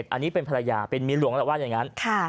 อันนี้เป็นภรรยาเป็นเมียหลวงแล้วว่าอย่างนั้น